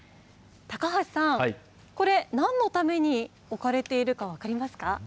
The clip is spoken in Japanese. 高橋さん、これ、なんのために置かれているか分かりますか？